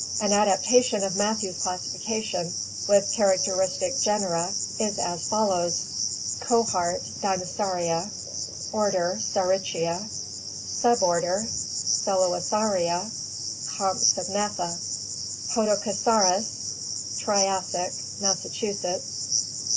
An adaptation of Matthew's classification, with characteristic genera, is as follows: Cohort Dinosauria Order Saurischia Suborder Ccelurosauria=Compsognatha * Podokesaurus — Triassic; Massachusetts.